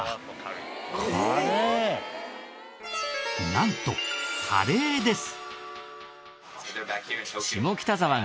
なんとカレーです。